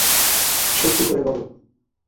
সত্যি করে বল।